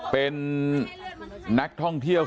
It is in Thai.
เป็นนักท่องเที่ยว